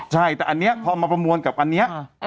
ใช่แต่อันนี้พอมาประมวลกับอันนี้